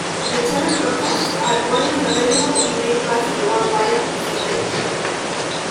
The channel broadcasts are widely available in many parts of the world via satellite.